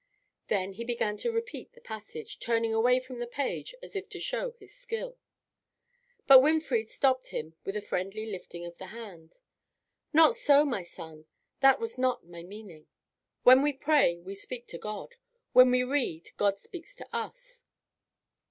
Then he began to repeat the passage, turning away from the page as if to show his skill. But Winfried stopped him with a friendly lifting of the hand. "Not so, my son; that was not my meaning. When we pray, we speak to God. When we read, God speaks to us.